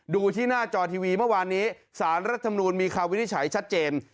ดูที่หน้าจอทีวีเมื่อวานนี้สารรัฐมนูลมีคำวินิจฉัยชัดเจน